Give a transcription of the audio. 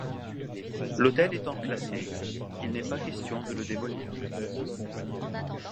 L'hôtel étant classé, il n'est pas question de le démolir.